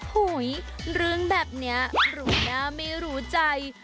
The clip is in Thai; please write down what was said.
หุยเรื่องแบบนี้รู้หน้าไม่รู้ใจ